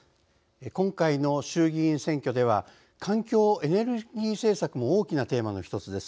今回の衆議院選挙では環境・エネルギー政策も大きなテーマの一つです。